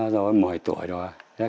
rồi một mươi tuổi rồi